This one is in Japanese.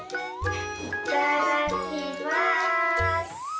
いただきます。